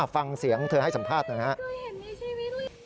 ฟังเสียงเธอให้สัมภาษณ์หน่อยนะครับ